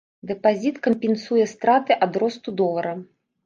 Дэпазіт кампенсуе страты ад росту долара.